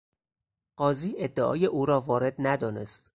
قاضی ادعای او را وارد ندانست.